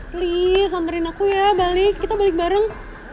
please sonterin aku ya balik kita balik bareng